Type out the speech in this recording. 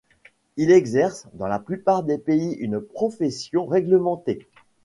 Il exerce, dans la plupart des pays une profession réglementée.